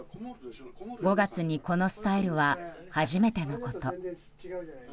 ５月にこのスタイルは初めてのこと。